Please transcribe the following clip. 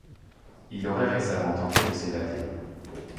Il aurait récemment tenté de s'évader.